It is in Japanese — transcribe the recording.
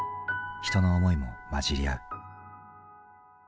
人の思いも混じり合う。